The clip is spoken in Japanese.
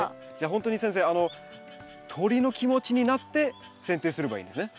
ほんとに先生鳥の気持ちになってせん定すればいいんですね。